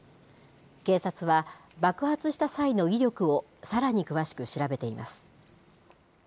警察は、爆発した際の威力をさらに詳しく調べています。